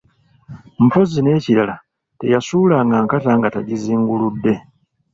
Mpozzi n'ekirala, teyasuulanga nkata nga tagizinguludde.